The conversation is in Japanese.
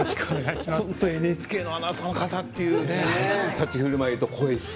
本当にＮＨＫのアナウンサーという立ち居振る舞いと声。